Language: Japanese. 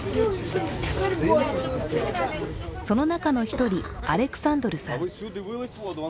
その中の１人、アレクサンドルさん。